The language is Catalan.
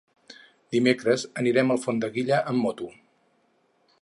Dimecres anirem a Alfondeguilla amb moto.